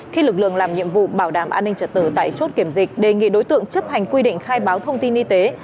khi lực lượng làm nhiệm vụ bảo đảm an ninh trật tự tại chốt kiểm dịch đề nghị đối tượng chấp hành quy định khai báo thông tin y tế